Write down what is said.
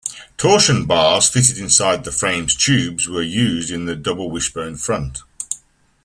Torsion bars fitted inside the frame's tubes were used in the double wishbone front.